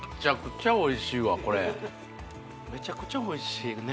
めちゃくちゃおいしいね